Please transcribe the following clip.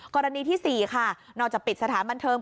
กรณีที่๔ค่ะนอกจากปิดสถานบันเทิง